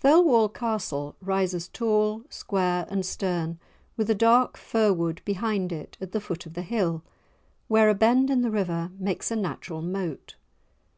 Thirlwall Castle rises tall, square, and stern, with a dark fir wood behind it at the foot of the hill, where a bend in the river makes a natural moat.